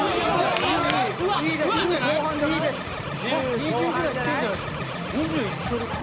２０ぐらいいってんじゃないですか。